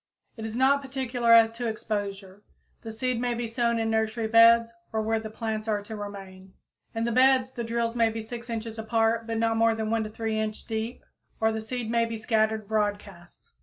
It is not particular as to exposure. The seed may be sown in nursery beds or where the plants are to remain. In the beds, the drills may be 6 inches apart, and not more than 1 3 inch deep, or the seed may be scattered broadcast.